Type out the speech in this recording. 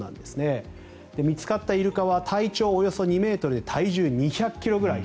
見つかったイルカは体長およそ２ｍぐらいで体重は２００ｋｇぐらい。